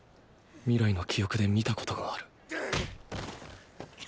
未来の記憶で見たことがあるゲホッゲホッ。